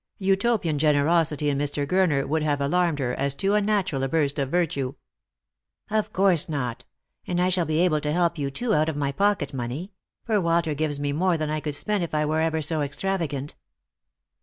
Utopian generosity in Mr. Gurner would have alarmed her, as too un natural a burst of virtue. " Of course not. And I shall be able to help you, too, out of my pocket money ; for Walter gives me more than I could spend if I were ever so extravagant."